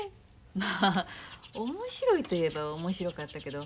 まあ面白いといえば面白かったけど。